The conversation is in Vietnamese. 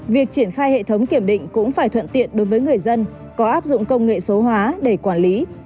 việc triển khai hệ thống kiểm định cũng phải thuận tiện đối với người dân có áp dụng công nghệ số hóa để quản lý